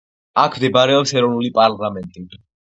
აქ მდებარეობს ეროვნული პარლამენტი.